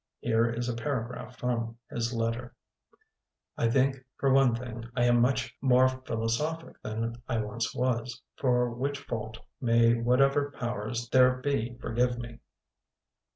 Here is a para graph from his letter: "I think, for one thing, I am much more philosophic than I once was, for which fault may whatever powers there be forgive me.